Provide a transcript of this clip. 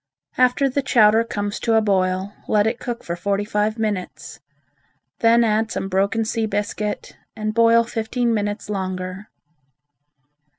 After the chowder comes to a boil, let it cook for forty five minutes. Then add some broken sea biscuit, and boil fifteen minutes longer.